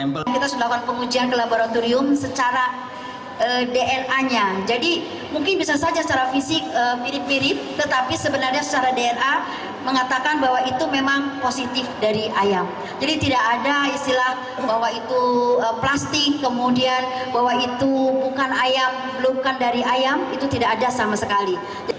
bahwa itu plastik kemudian bahwa itu bukan ayam bukan dari ayam itu tidak ada sama sekali